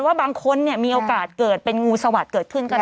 ว่าบางคนเนี่ยมีโอกาสเกิดเป็นงูสวัสดิ์เกิดขึ้นก็ได้